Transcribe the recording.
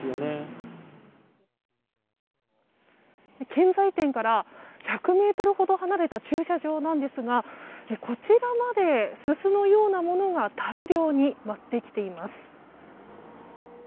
建材店から１００ｍほど離れた駐車場ですがこちらまで、すすのようなものが大量に舞ってきています。